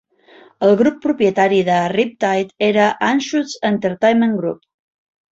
El grup propietari de Riptide era Anschutz Entertainment Group.